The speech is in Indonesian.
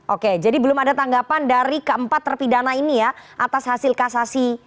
oke jadi belum ada tanggapan dari keempat terpidana ini ya atas hasil kasasi